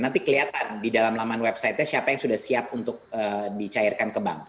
nanti kelihatan di dalam laman website nya siapa yang sudah siap untuk dicairkan ke bank